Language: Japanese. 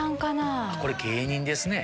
これ芸人ですね。